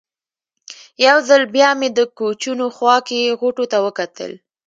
یو ځل بیا مې د کوچونو خوا کې غوټو ته وکتل.